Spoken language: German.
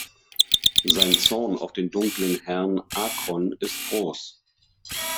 Sein Zorn auf den dunklen Herrn "Akron" ist groß.